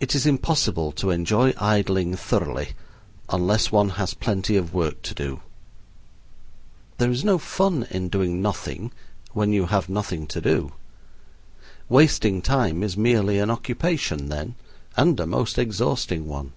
It is impossible to enjoy idling thoroughly unless one has plenty of work to do. There is no fun in doing nothing when you have nothing to do. Wasting time is merely an occupation then, and a most exhausting one.